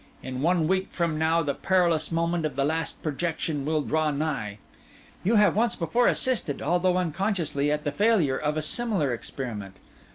In one week from now the perilous moment of the last projection will draw nigh. You have once before assisted, although unconsciously, at the failure of a similar experiment.